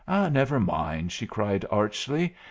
"Never mind," she cried, archly.